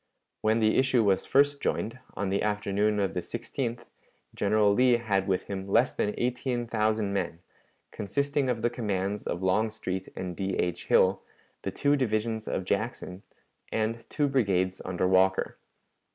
When the issue was first joined, on the afternoon of the 16th, General Lee had with him less than eighteen thousand men, consisting of the commands of Longstreet and D. H. Hill, the two divisions of Jackson, and two brigades under Walker.